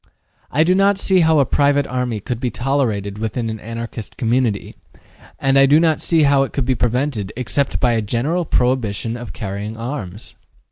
I do not see how a private army could be tolerated within an Anarchist community, and I do not see how it could be prevented except by a general prohibition of carrying arms.